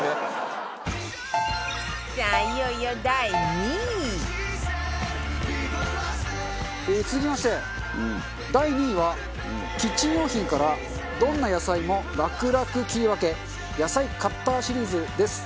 さあいよいよ第２位続きまして第２位はキッチン用品からどんな野菜も楽々切り分け野菜カッターシリーズです。